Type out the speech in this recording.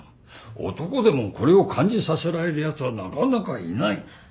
男でもこれを感じさせられるやつはなかなかいない。